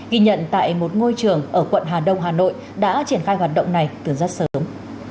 ghi nhận tại một ngôi trường ở quận hà đông hà nội đã triển khai hoạt động này từ rất sớm